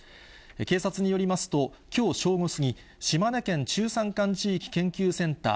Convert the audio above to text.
警察によりますと、きょう正午過ぎ、島根県中山間地域研究センター